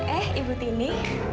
eh ibu tini